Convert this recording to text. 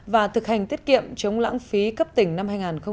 và thực hành tiết kiệm chống lãng phí cấp tỉnh năm hai nghìn một mươi sáu